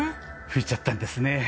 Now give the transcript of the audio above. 「吹いちゃったんですねぇ」。